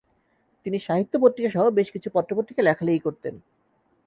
তিনি সাহিত্য পত্রিকা সহ বেশ কিছু পত্র-পত্রিকায় লেখালেখি করতেন।